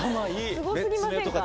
すごすぎませんか？